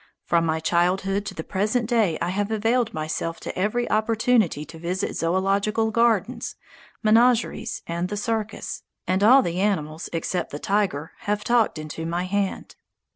From my childhood to the present day I have availed myself of every opportunity to visit zoological gardens, menageries, and the circus, and all the animals, except the tiger, have talked into my hand.